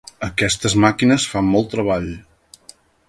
Aquestes màquines fan molt treball.